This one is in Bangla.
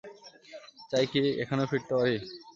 চাই কি এখানেও ফিরতে পারি।